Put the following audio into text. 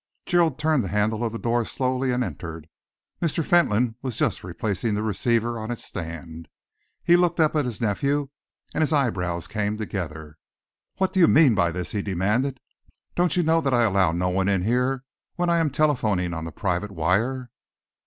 Gerald turned the handle of the door slowly and entered. Mr. Fentolin was just replacing the receiver on its stand. He looked up at his nephew, and his eyebrows came together. "What do you mean by this?" he demanded. "Don't you know that I allow no one in here when I am telephoning on the private wire?"